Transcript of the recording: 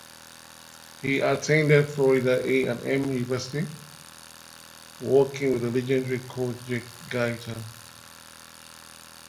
He attended Florida A and M University, working with the legendary coach Jake Gaither.